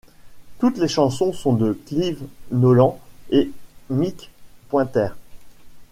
Toutes les chansons sont de Clive Nolan & Mick Pointer.